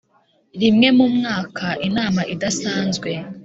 rimwe mu mwaka Inama idasanzwe